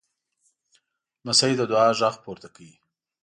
لمسی د دعا غږ پورته کوي.